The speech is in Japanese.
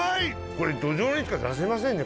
これドジョウにしか出せませんね